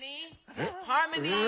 ハーモニー？